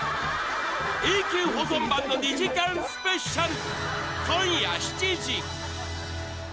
永久保存版の２時間スペシャル！